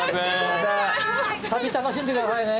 旅楽しんでくださいね。